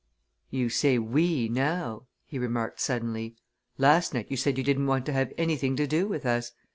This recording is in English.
"You say 'we' now," he remarked suddenly. "Last night you said you didn't want to have anything to do with us.